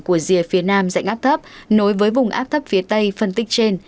của rìa phía nam dạnh áp thấp nối với vùng áp thấp phía tây phân tích trên